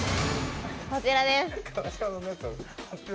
こちらです。